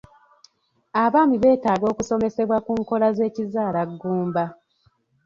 Abaami beetaaga okusomesebwa ku nkola z'ekizaala ggumba.